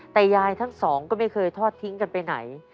แต่ยายทั้งสองก็ไม่เคยทอดทิ้งกันไปไหน